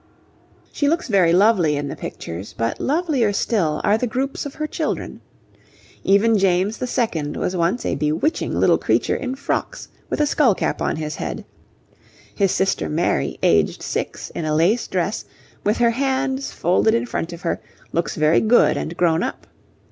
She looks very lovely in the pictures, but lovelier still are the groups of her children. Even James II. was once a bewitching little creature in frocks with a skull cap on his head. His sister Mary, aged six, in a lace dress, with her hands folded in front of her, looks very good and grown up.